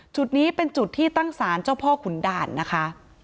จุดนี้เป็นจุดที่ตั้งศาลเจ้าพ่อขุนด่านนะคะ